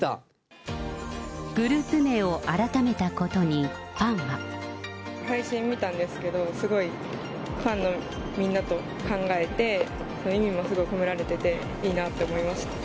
グループ名を改めたことにフ配信見たんですけど、すごいファンのみんなと考えて、意味もすごい込められてて、いいなって思いました。